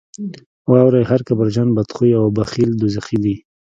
واورئ هر کبرجن، بدخویه او بخیل دوزخي دي.